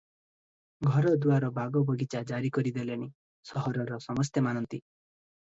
ଘର ଦୁଆର ବାଗ ବଗିଚା ଜାରି କରି ଦେଲେଣି; ସହରର ସମସ୍ତେ ମାନନ୍ତି ।